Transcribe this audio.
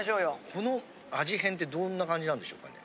この味変ってどんな感じなんでしょうかね？